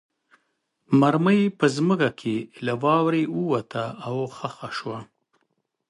مرمۍ په ځمکه کې له واورې ووته او خښه شوه